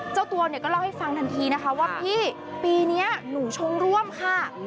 เจ้าตัวเนี่ยก็เล่าให้ฟังทันทีนะคะว่าพี่ปีนี้หนูชงร่วมค่ะ